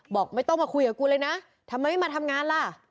บอกไม่ต้องมาคุยกับกูเลยนะทำไมไม่มาทำงานล่ะ